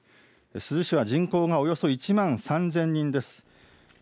珠洲市は人口がおよそ１万３０００人です。